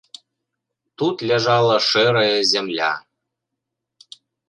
Тут ляжала шэрая зямля.